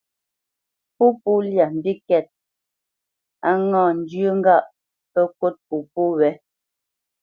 Pópo lyá mbíkɛ̂t, á ŋǎ zhyə́ ŋgâʼ pə́ ŋkût popó wé.